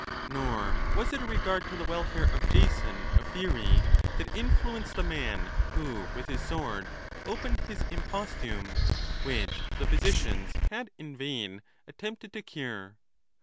Not was it a regard to the welfare of Jason of Pheras that in fluenced the man who with his sword opened his irapost hume, which the physicians had in vain attempted to cure.